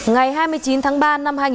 ngày hai mươi chín tháng ba năm hai nghìn tám